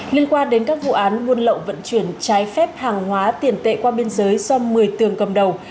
liên quan đến các vụ án buôn lậu vận chuyển trái phép hàng hóa tiền tệ qua biên giới do một mươi tường cầm đầu